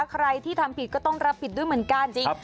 ใครที่ทำผิดก็ต้องรับผิดด้วยเหมือนกันจริง